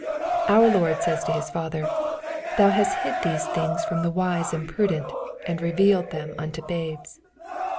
Our Lord says to His Father, ^^ Thou hast hid these things from the wise and prudent, and revealed them unto babes.''